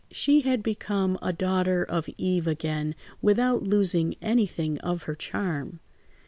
She had become a daughter of Eve again without losing anything of her charm.